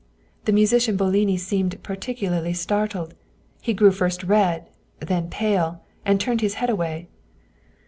The musician Boloni seemed particularly startled ; he grew first red, then pale, and turned his head away.